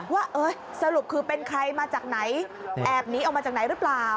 ว่าสรุปคือเป็นใครมาจากไหนแอบหนีออกมาจากไหนหรือเปล่า